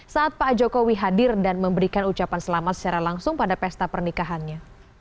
saat pak jokowi hadir dan memberikan ucapan selamat secara langsung pada pesta pernikahannya